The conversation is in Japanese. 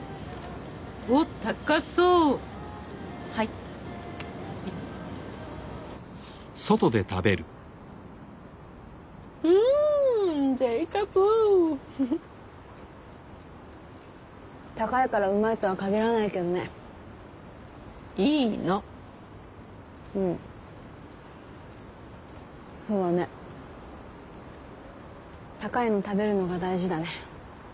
おっ高そうはいはいうーん贅沢ふふっ高いからうまいとはかぎらないけどねいいのうんそうだね高いの食べるのが大事だね